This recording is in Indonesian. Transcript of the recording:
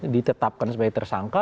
ditetapkan sebagai tersangka